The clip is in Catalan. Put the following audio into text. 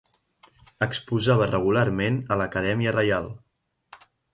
Exposava regularment a l'Acadèmia Reial.